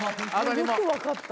よく分かった。